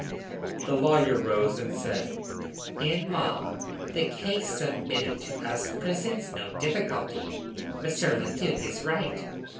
The lawyer rose, and said: "In law, the case submitted to us presents no difficulty. Monsieur le duc is right!"